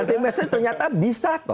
anti mainstream ternyata bisa